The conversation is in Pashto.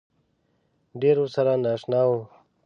ډېر ورسره نا اشنا وم.